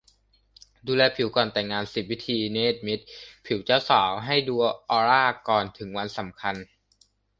ดูแลผิวก่อนแต่งงาน สิบ วิธี เนรมิตผิวเจ้าสาวให้ดูมีออร่าก่อนถึงวันสำคัญ